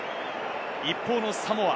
一方のサモア。